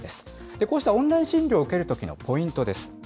こうしたオンライン診療を受けるときのポイントです。